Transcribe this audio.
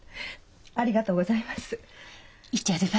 ありがとうございます。